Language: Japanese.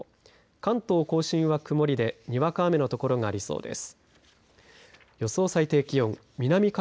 関東甲信は曇りでにわか雨の所がありそうです。